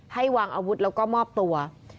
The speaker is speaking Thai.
ให้วางอาวุธแล้วก็มอบตัว